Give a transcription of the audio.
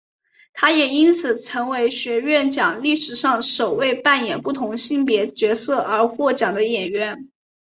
她也因此成为学院奖历史上首位扮演不同性别角色而获奖的演员。